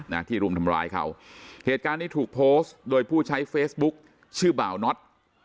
นะที่รุมทำร้ายเขาเหตุการณ์นี้ถูกโพสต์โดยผู้ใช้เฟซบุ๊คชื่อเบาน็อต